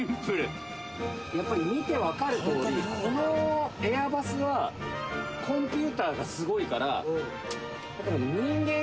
やっぱり見て分かるとおりこのエアバスはコンピューターがすごいから人間が補助してあげる。